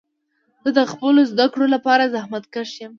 زه د خپلو زده کړو لپاره زحمت کښ یم.